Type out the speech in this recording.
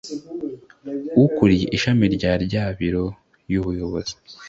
Ukuriye ishami rya rya biro y’Ubuyobozi